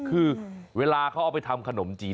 คือเวลาเขาเอาไปทำขนมจีน